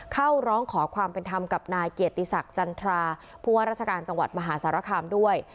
เข้าร้องขอความเป็นธรรมกับนายเกียรติศักดิ์จันทราผู้ว่าราชการจังหวัดมหาสารคามด้วย